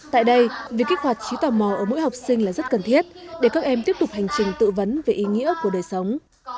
tại đây việc kích hoạt trí tò mò ở mỗi học sinh là rất cần thiết để các em tiếp tục hành trình tự vấn về ý nghĩa của đời sống